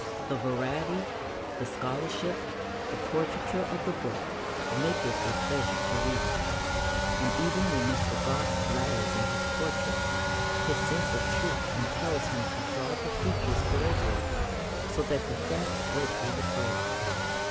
The variety, the scholarship, the portraiture of the book make it a pleasure to read; and, even when Mr. Gosse flatters in his portraits, his sense of truth impels him to draw the features correctly, so that the facts break through the praise.